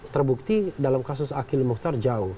terbukti dalam kasus akhil mukhtar jauh